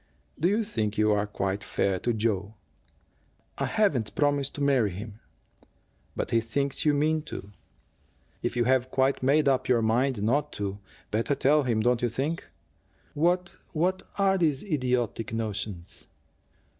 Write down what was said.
"Do you think you are quite fair to Joe?" "I haven't promised to marry him." "But he thinks you mean to. If you have quite made up your mind not to, better tell him, don't you think? What what are these idiotic notions?"